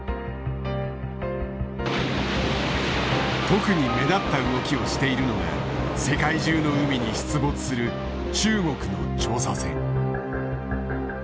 特に目立った動きをしているのが世界中の海に出没する中国の調査船。